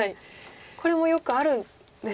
これもよくあるんですか。